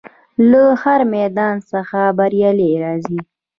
له هر میدان څخه بریالی راځي.